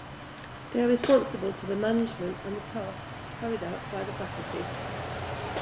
They are responsible for the management and the tasks carried out by the faculty.